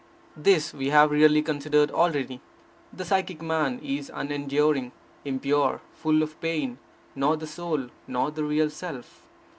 This we have really considered already. The psychic man is unenduring, impure, full of pain, not the Soul, not the real Self.